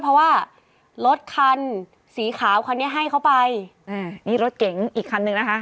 เพราะว่ารถคันสีขาวคันนี้ให้เขาไปอ่านี่รถเก๋งอีกคันหนึ่งนะคะ